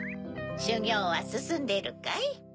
しゅぎょうはすすんでるかい？